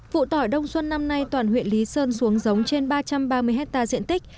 vụ tỏi đông xuân năm nay toàn huyện lý sơn xuống giống trên ba trăm ba mươi hectare diện tích